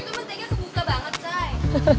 gue itu mentegnya terbuka banget shay